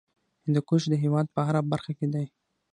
هندوکش د هېواد په هره برخه کې دی.